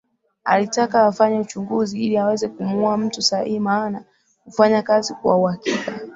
Alitaka afanye uchunguzi ili aweze kumuua mtu sahihi maana hufanya kazi kwa uhakika